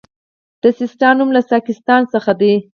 د سیستان نوم له ساکستان څخه دی